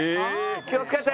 気を付けて！